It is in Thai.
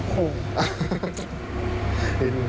คุ้ม